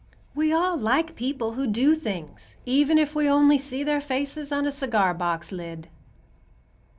We all like people who do things, even if we only see their faces on a cigar box lid."